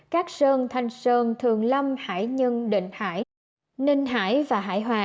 cát sơn thanh sơn thường lâm hải nhân định hải ninh hải và hải hòa